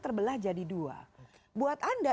terbelah jadi dua buat anda